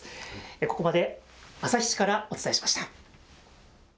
ここまで、旭市からお伝えしまし